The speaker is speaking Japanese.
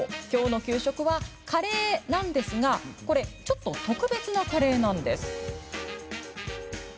きょうの給食はカレーなんですがこれ、ちょっと特別なカレーなんです。